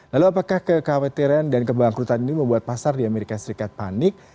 lalu apakah kekhawatiran dan kebangkrutan ini membuat pasar di amerika serikat panik